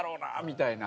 みたいな。